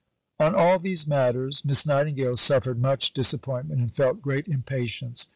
VIII On all these matters, Miss Nightingale suffered much disappointment and felt great impatience.